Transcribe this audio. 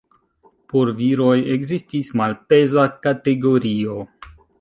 Por viroj ekzistis malpeza kategorio.